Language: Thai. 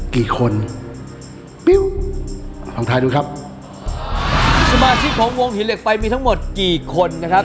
กี่คนปิ้วลองถ่ายดูครับสมาชิกของวงหินเหล็กไฟมีทั้งหมดกี่คนนะครับ